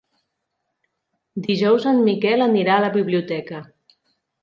Dijous en Miquel anirà a la biblioteca.